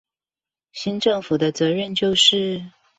新政府的責任就是